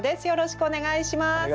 よろしくお願いします。